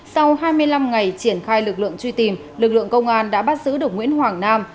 sau hai mươi năm ngày triển khai lực lượng truy tìm lực lượng công an đã bắt giữ được nguyễn hoàng nam